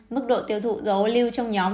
mức độ tiêu thụ dầu ô lưu trong nhóm